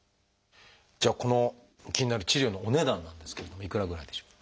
じゃあこの気になる治療のお値段なんですけれどもいくらぐらいしょう？